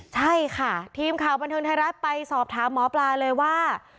ใช่ค่ะทีมข่าวบันเทิงไทยรัฐไปสอบถามหมอปลาเลยว่า